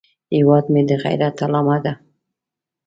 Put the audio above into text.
هیواد مې د غیرت علامه ده